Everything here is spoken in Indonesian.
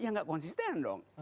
ya nggak konsisten dong